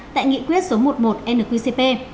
tại nghị quyết số một mươi một nqcp